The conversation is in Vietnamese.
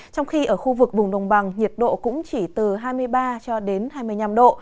trong khi ở khu vực vùng đồng bằng nhiệt độ cũng chỉ từ hai mươi ba cho đến hai mươi năm độ